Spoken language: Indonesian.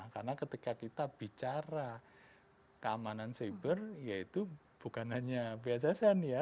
karena ketika kita bicara keamanan cyber yaitu bukan hanya bssn ya